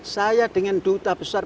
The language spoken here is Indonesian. saya dengan duta besar